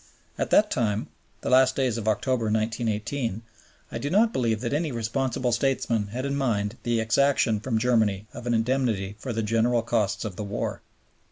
At that time the last days of October, 1918 I do not believe that any responsible statesman had in mind the exaction from Germany of an indemnity for the general costs of the war.